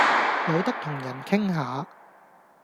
有得同人傾下